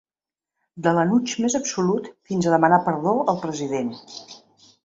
De l’enuig més absolut fins a demanar perdó al president.